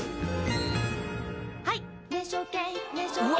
はい！